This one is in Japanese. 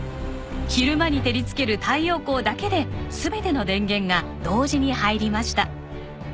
昼間に照りつける太陽光だけで全ての電源が同時に入りました。